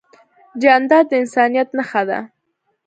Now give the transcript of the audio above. جانداد د انسانیت نښه ده.